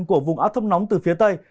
của vùng áp thấp nóng từ phía tây